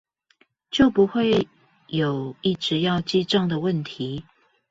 就不會有一直要記帳的問題